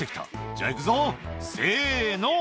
「じゃ行くぞせの！」